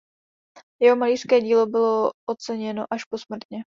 Jeho malířské dílo bylo oceněno až posmrtně.